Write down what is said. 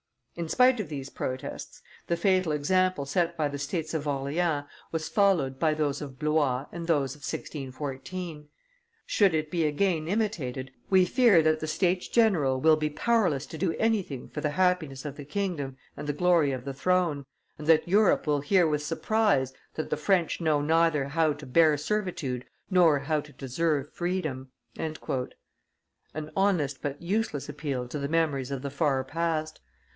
In spite of these protests, the fatal example set by the States of Orleans was followed by those of Blois and those of 1614. Should it be again imitated, we fear that the States general will be powerless to do anything for the happiness of the kingdom and the glory of the throne, and that Europe will hear with surprise that the French know neither how to bear servitude nor how to deserve freedom." An honest but useless appeal to the memories of the far past!